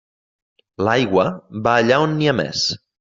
L'aigua va allà on n'hi ha més.